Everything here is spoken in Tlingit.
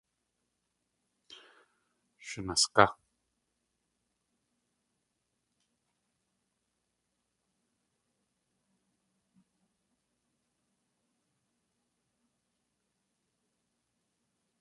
Shunasgá!